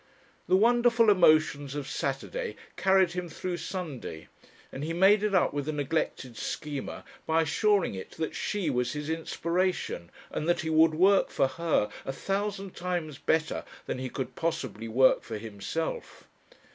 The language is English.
The wonderful emotions of Saturday carried him through Sunday, and he made it up with the neglected Schema by assuring it that She was his Inspiration, and that he would work for Her a thousand times better than he could possibly work for himself.